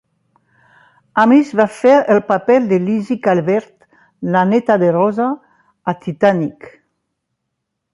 Amis va fer el paper de Lizzy Calvert, la neta de Rose, a "Titanic".